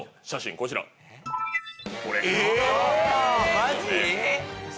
マジ？